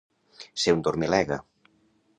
Ser un dormilega.